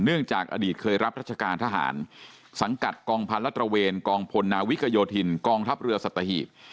เนื่องจากอดีตเคยรับรัชกาลทหารสังกัดกองพันธุ์ลัทรเวนกองพลนาวิกโกยธินส์กองทัพเรือสตถิหิต